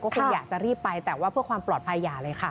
คุณอยากจะรีบไปแต่ว่าเพื่อความปลอดภัยอย่าเลยค่ะ